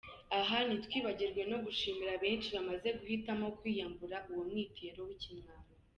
Aha ntitwibagirwe no gushimira benshi bamaze guhitamo kwiyambura uwo mwitero w’Ikimwaro.